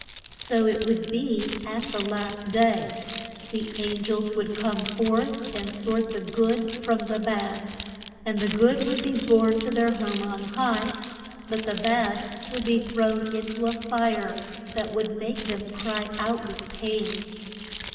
So it would be at the last day. The an gels would come forth and sort the good from the bad. And the good would be borne to their home on high, but the bad would be thrown in to a fire that would make them cry out with pain.